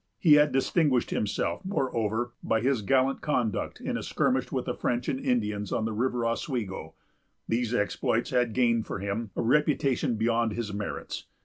He had distinguished himself, moreover, by his gallant conduct in a skirmish with the French and Indians on the River Oswego. These exploits had gained for him a reputation beyond his merits.